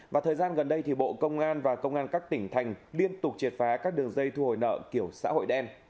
và thời gian gần đây thì bộ công an và công an các tỉnh thành liên tục triệt phá các đường dây thu hồi nợ kiểu xã hội đen